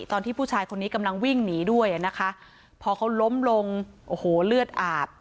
ตอนที่ผู้ชายคนนี้กำลังวิ่งหนีด้วยอ่ะนะคะพอเขาล้มลงโอ้โหเลือดอาบ